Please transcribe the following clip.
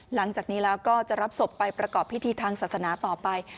หลังจากนี้แล้วก็จะรับศพไปประกอบพิธีทางศาสนาต่อไป